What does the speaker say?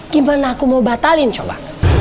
gimana aku mau batalin coba